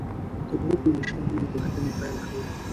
د ګروپ له مشرانو یې پوښتنې پیل کړې.